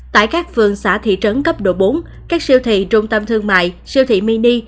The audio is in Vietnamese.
tại các phường xã thị trấn cấp độ bốn các siêu thị trung tâm thương mại siêu thị mini